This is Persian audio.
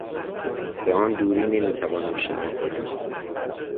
به آن دوری نمیتوانم شنا کنم.